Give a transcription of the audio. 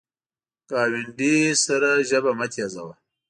ګاونډي سره ژبه مه تیزوه